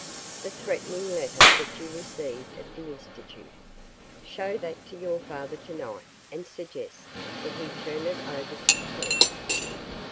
"The threatening letter that you received at the Institute. Show that to your father tonight and suggest that he turn it over to the police."